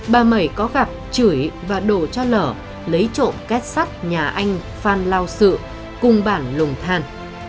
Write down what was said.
bà mẩy có gặp chửi và đổ cho lở lấy trộm kết sắt nhà anh phan lao sự cùng bản lùng than